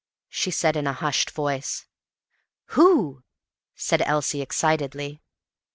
she said in a hushed voice. "Who?" said Elsie excitedly.